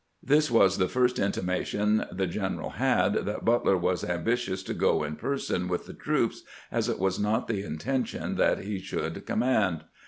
This was the first intimation the general had that Butler was ambitious to go in person with the troops, as it was not the intention that he should com mand.